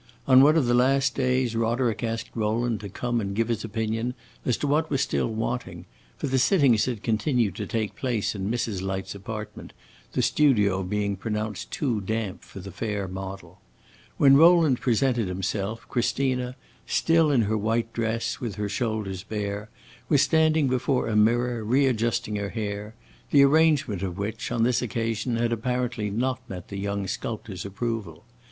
On one of the last days Roderick asked Rowland to come and give his opinion as to what was still wanting; for the sittings had continued to take place in Mrs. Light's apartment, the studio being pronounced too damp for the fair model. When Rowland presented himself, Christina, still in her white dress, with her shoulders bare, was standing before a mirror, readjusting her hair, the arrangement of which, on this occasion, had apparently not met the young sculptor's approval.